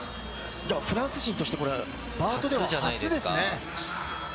フランス人としてバートでは初ですね。